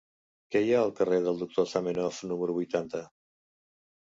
Què hi ha al carrer del Doctor Zamenhof número vuitanta?